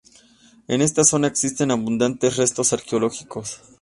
En esta zona existen abundantes restos arqueológicos.